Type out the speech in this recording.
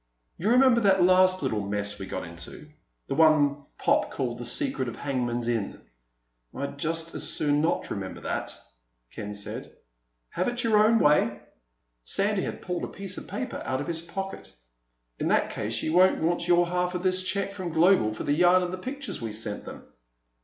"You remember that last little mess we got into—the one Pop called The Secret of Hangman's Inn?" "I'd just as soon not remember that," Ken said. "Have it your own way." Sandy had pulled a piece of paper out of his pocket. "In that case you won't want your half of this check from Global for the yarn and the pictures we sent them."